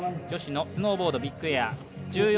女子のスノーボードビッグエア。